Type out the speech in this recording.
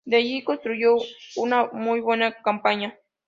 Desde allí construyó una muy buena campaña.